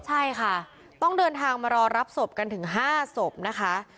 ใช่ค่ะต้องเดินทางมารอรับศพกันถึง๕ศพนะคะ